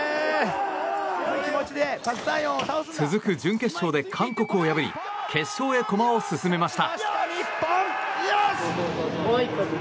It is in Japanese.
続く準決勝で韓国を破り決勝へ駒を進めました。